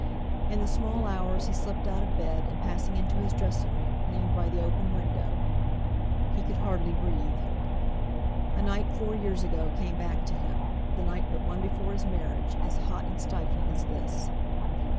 In the small hours he slipped out of bed, and passing into his dressing room, leaned by the open window. He could hardly breathe. A night four years ago came back to him—the night but one before his marriage; as hot and stifling as this.